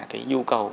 cái nhu cầu